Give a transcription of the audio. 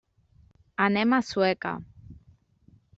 Anem a Sueca.